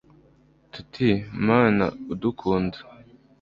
tuti mana udukunda